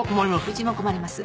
うちも困ります。